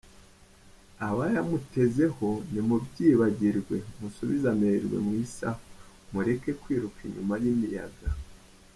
Abayamutezeho nimubyibagirwe, musubize amerwemw’isaho, mureke kwiruka inyuma y’imiyaga.